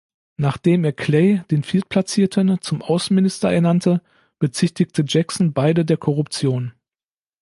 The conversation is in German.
Nachdem er Clay, den viertplatzierten, zum Außenminister ernannte, bezichtigte Jackson beide der Korruption.